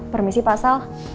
permisi pak sal